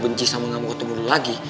benci sama gak mau ketemu lagi